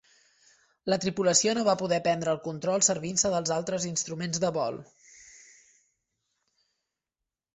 La tripulació no va poder prendre el control servint-se dels altres instruments de vol.